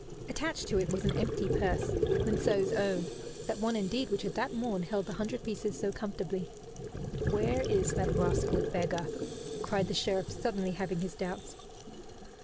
Attached to it was an empty purse, Monceux's own that one indeed which had that morn held the hundred pieces so comfortably! "Where is that rascal beggar?" cried the Sheriff, suddenly having his doubts.